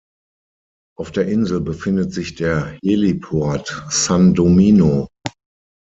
Auf der Insel befindet sich der Heliport San Domino.